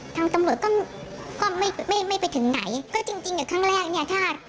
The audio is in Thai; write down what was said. ทางตำรวจก็ก็ไม่ไม่ไปถึงไหนก็จริงจริงกับครั้งแรกเนี้ยถ้า